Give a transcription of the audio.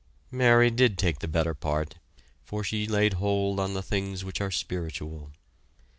Mary did take the better part, for she laid hold on the things which are spiritual.